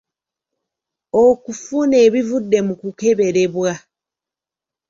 Okufuna ebivudde mu kukeberebwa.